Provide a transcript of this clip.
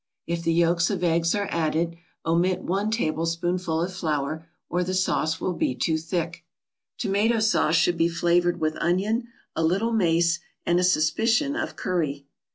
If the yolks of eggs are added, omit one tablespoonful of flour or the sauce will be too thick. Tomato sauce should be flavored with onion, a little mace, and a suspicion of curry.